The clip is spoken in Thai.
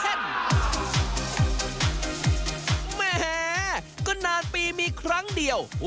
แหมก็นานปีมีครั้งเดียว